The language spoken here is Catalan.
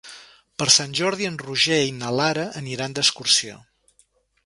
Per Sant Jordi en Roger i na Lara aniran d'excursió.